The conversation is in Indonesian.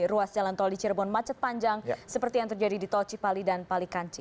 ruas jalan tol di cirebon macet panjang seperti yang terjadi di tol cipali dan palikanci